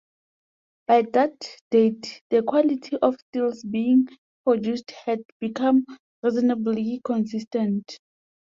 By that date the quality of steels being produced had become reasonably consistent.